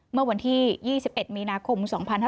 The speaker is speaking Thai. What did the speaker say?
เมื่อวันที่๒๑มีนาคม๒๕๕๙